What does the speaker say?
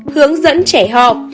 hướng dẫn trẻ ho